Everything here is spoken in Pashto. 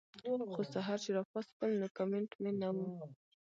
خو سحر چې راپاسېدم نو کمنټ مې نۀ وۀ